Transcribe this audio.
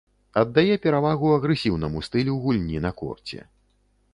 Аддае перавагу агрэсіўнаму стылю гульні на корце.